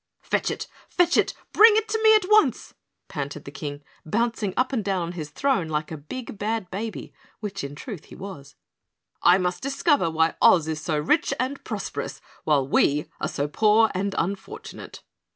"Fetch it! Fetch it, bring it to me at once!" panted the King, bouncing up and down on his throne like a big bad baby (which in truth he was). "I must discover why Oz is so rich and prosperous while we are so poor and unfortunate."